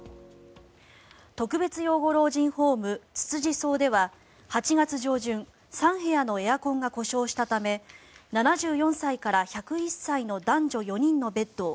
特別養護老人ホームつつじ荘では８月上旬３部屋のエアコンが故障したため７４歳から１０１歳の男女４人のベッドを